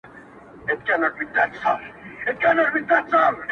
یوه ورځ پاچا وو غلی ورغلی!.